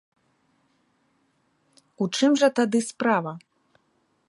У чым жа тады справа?